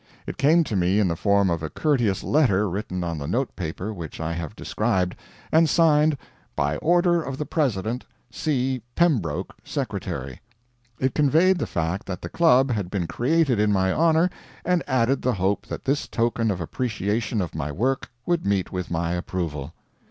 It came to me in the form of a courteous letter, written on the note paper which I have described, and signed "By order of the President; C. PEMBROKE, Secretary." It conveyed the fact that the Club had been created in my honor, and added the hope that this token of appreciation of my work would meet with my approval.